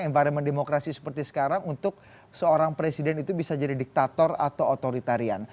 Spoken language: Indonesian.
environment demokrasi seperti sekarang untuk seorang presiden itu bisa jadi diktator atau otoritarian